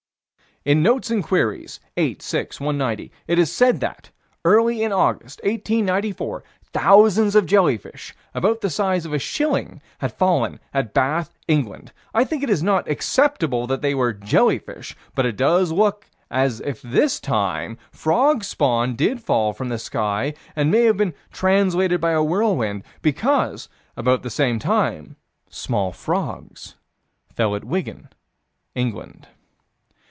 In Notes and Queries, 8 6 190, it is said that, early in August, 1894, thousands of jellyfish, about the size of a shilling, had fallen at Bath, England. I think it is not acceptable that they were jellyfish: but it does look as if this time frog spawn did fall from the sky, and may have been translated by a whirlwind because, at the same time, small frogs fell at Wigan, England.